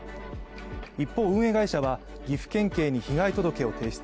一方、運営会社は岐阜県警に被害届を提出。